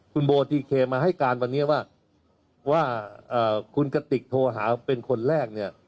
คุณโบทีเคมาให้การวันนี้ว่าคุณกติกโทรหาเป็นคนแรกเนี่ย